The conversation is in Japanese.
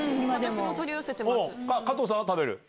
加藤さんは食べる？